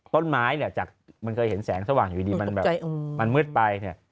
ต้นไม้เนี่ยจากมันเคยเห็นแสงสว่างอยู่ดีมันแบบมันมืดไปเนี่ย